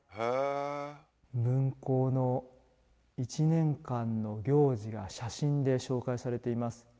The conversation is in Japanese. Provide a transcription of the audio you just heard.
分校の１年間の行事が写真で紹介されています。